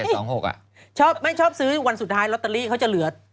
ถ้าไม่ชอบซื้อวันสุดท้ายเขาจะเหลือ